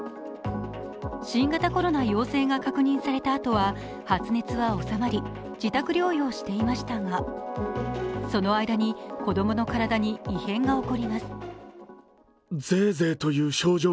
新型コロナ陽性が確認されたあとは発熱は治まり自宅療養していましたが、その間に子供の体に異変が起こります。